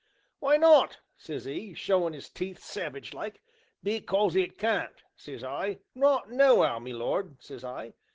'W'y not?' says 'e, showin' 'is teeth savage like. 'Because it can't,' says I, 'not no'ow, me lord,' says I.